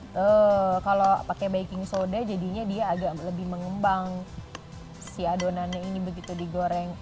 tuh kalau pakai baking soda jadinya dia agak lebih mengembang si adonannya ini begitu digoreng